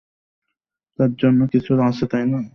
তার জন্য কিছু আছে, তাই না?